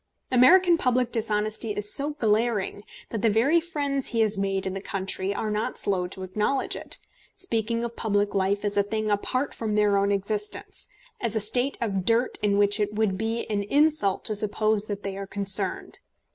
American public dishonesty is so glaring that the very friends he has made in the country are not slow to acknowledge it, speaking of public life as a thing apart from their own existence, as a state of dirt in which it would be an insult to suppose that they are concerned!